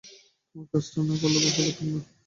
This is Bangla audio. তোমার সাথে কাজটা না করলে বুঝতেই পারতাম না।